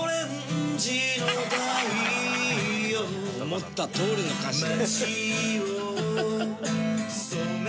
思ったとおりの歌詞。